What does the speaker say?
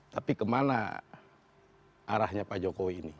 tapi kemana arahnya pak jokowi ini